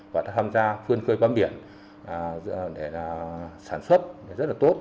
và đã tham gia phương khơi quán biển để sản xuất rất là tốt